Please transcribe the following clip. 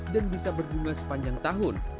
dan bisa berbunga sepanjang tahun